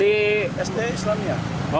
di sd islamia